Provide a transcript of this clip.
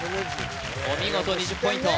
お見事２０ポイント